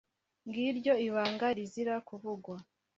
Ngiryo ibanga rizira kuvugwa.